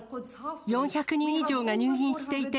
４００人以上が入院していて、